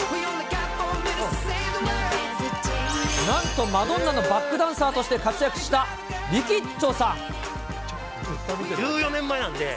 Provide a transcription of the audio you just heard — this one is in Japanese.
なんと、マドンナのバックダンサーとして活躍した、りきっちょさん。